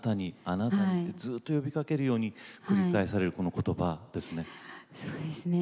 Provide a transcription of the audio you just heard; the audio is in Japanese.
「あなたに」ってずっと呼びかけるように繰り返されるこの言葉ですね。